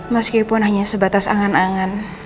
meskipun hanya sebatas angan angan